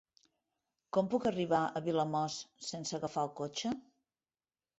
Com puc arribar a Vilamòs sense agafar el cotxe?